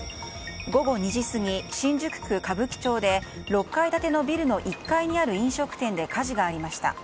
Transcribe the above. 午後２時過ぎ、新宿区歌舞伎町で６階建てのビルの１階にある飲食店で火事がありました。